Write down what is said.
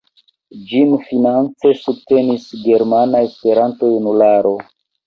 Ĝin finance subtenis Germana Esperanto-Junularo.